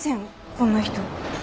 こんな人。